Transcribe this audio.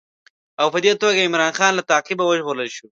او په دې توګه عمرا خان له تعقیبه وژغورل شو.